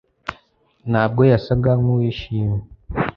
Ntabwo yasaga nkuwishimye